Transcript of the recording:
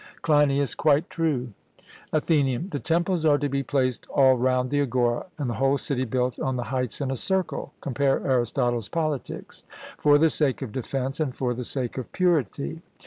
CLEINIAS: Quite true. ATHENIAN: The temples are to be placed all round the agora, and the whole city built on the heights in a circle (compare Arist. Pol.), for the sake of defence and for the sake of purity.